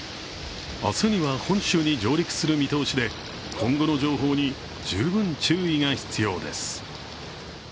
明日には本州に上陸する見通しで今後の情報に十分注意が必要です。